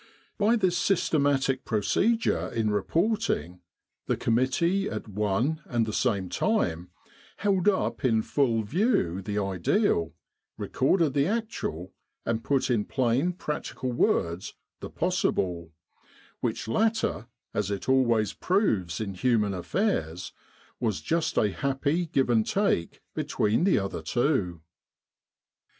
By this systematic procedure in report ing, the committee at one and the same time held up in full view the Ideal, recorded the Actual, and put in plain, practical words the Possible, which latter as it always proves in human affairs was just a happy give and take between the other two.